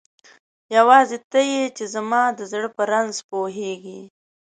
یواځی ته یی چی زما د زړه په رنځ پوهیږی